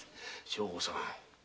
正吾さん